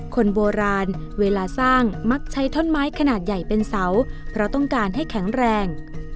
คนโบราณเวลาสร้างมักใช้ท่อนไม้ขนาดใหญ่เป็นเสาเพราะต้องการให้แข็งแรง